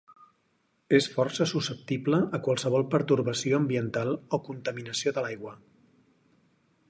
És força susceptible a qualsevol pertorbació ambiental o contaminació de l'aigua.